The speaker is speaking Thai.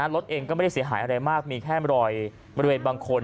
รถเองก็ไม่ได้เสียหายอะไรมากมีแค่รอยบริเวณบางคน